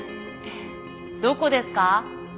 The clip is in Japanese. どこですか？